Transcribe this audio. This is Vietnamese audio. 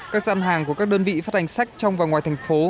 các gian hàng của các đơn vị phát hành sách trong và ngoài thành phố